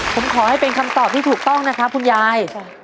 ผมขอให้เป็นคำตอบที่ถูกต้องนะครับคุณยาย